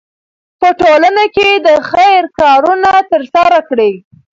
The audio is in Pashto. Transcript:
په ټولنه کې د خیر کارونه ترسره کړئ.